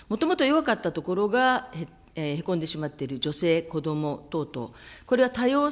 もともと弱かったところが、へこんでしまっている。